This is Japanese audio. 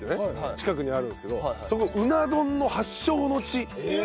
近くにあるんですけどそこうな丼の発祥の地なんですって。